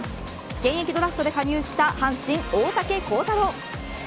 現役ドラフトで加入した阪神、大竹耕太郎。